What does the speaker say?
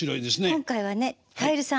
今回はねカエルさん。